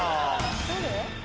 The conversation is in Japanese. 誰？